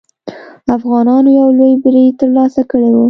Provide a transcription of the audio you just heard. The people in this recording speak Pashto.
افغانانو یو لوی بری ترلاسه کړی وو.